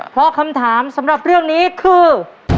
เพราะคำถามสำหรับเรื่องนี้คือ